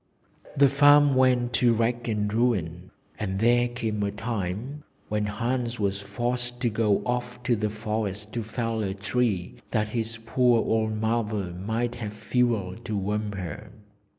The farm went to rack and ruin, and there came a time when Hans was forced to go off to the forest to fell a tree that his poor old mother might have fuel to warm her.